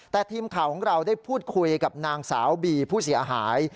แต่ทีมข่าวของเราได้พูดคุยกับนางสาวบีผู้เสียหาย